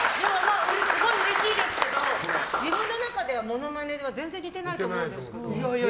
すごいうれしいですけど自分の中ではモノマネは全然似てないと思うんですよ。